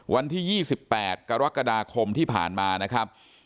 วันที่๒๘กรกฎาคมที่ผ่านมานะครับ